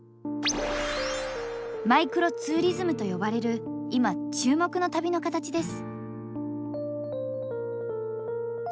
「マイクロツーリズム」と呼ばれる今注目の旅の形です。